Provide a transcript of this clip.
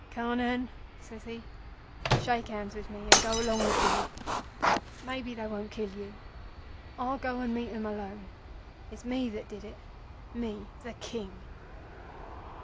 Carnehan,' says he, 'shake hands with me and go along with Billy. Maybe they won't kill you. I'll go and meet 'em alone. It's me that did it. Me, the King!